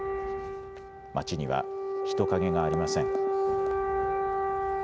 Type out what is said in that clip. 街には人影がありません。